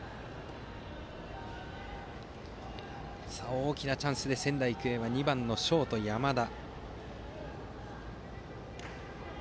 大きなチャンスで、仙台育英は２番ショート、山田。